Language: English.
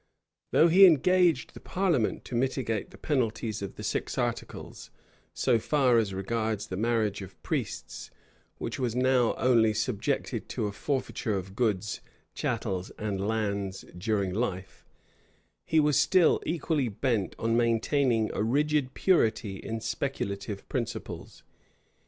Though he engaged the parliament to mitigate the penalties of the six articles, so far as regards the marriage of priests, which was now only subjected to a forfeiture of goods, chattels, and lands during life, he was still equally bent on maintaining a rigid purity in speculative principles.